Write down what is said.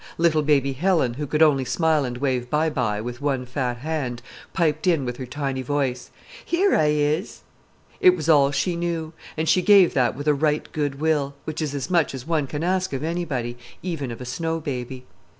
Little baby Helen, who could only smile and wave "by by" with one fat hand, piped in with her tiny voice, "Here I is!" It was all she knew, and she gave that with a right good will, which is as much as one can ask of anybody, even of a snow baby.